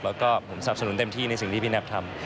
แล้วก็ผมสับสนุนเต็มที่ในสิ่งที่พี่แม็กทำ